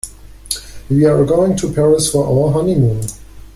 We're going to Paris for our honeymoon.